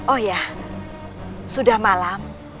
oh ya sudah malam